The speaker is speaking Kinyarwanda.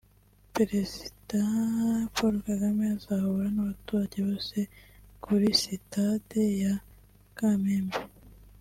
Perezida Paul Kagame azahura n’abaturage bose kuri Sitade ya Kamembe